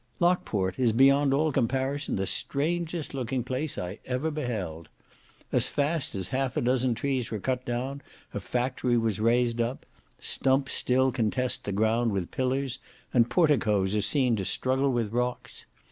Lockport is beyond all comparison, the strangest looking place I ever beheld. As fast as half a dozen trees were cut down, a factory was raised up; stumps still contest the ground with pillars, and porticos are seen to struggle with rocks.